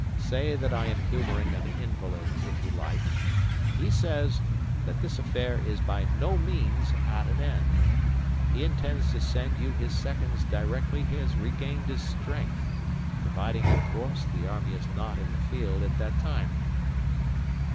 Say that I am humouring an invalid if you like. He says that this affair is by no means at an end. He intends to send you his seconds directly he has regained his strength providing, of course, the army is not in the field at that time."